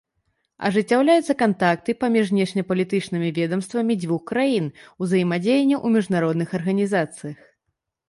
Ажыццяўляюцца кантакты паміж знешнепалітычнымі ведамствамі дзвюх краін, узаемадзеянне ў міжнародных арганізацыях.